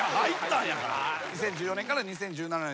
２０１４年から２０１７年。